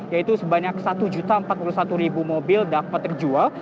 yaitu sebanyak satu empat puluh satu mobil dapat terjual